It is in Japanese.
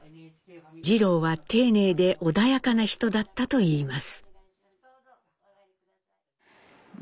次郎は丁寧で穏やかな人だったといいます。